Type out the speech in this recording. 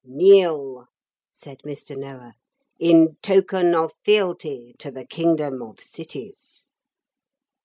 'Kneel,' said Mr. Noah, 'in token of fealty to the Kingdom of Cities.'